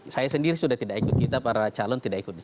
saya sendiri sudah tidak ikut kita para calon tidak ikut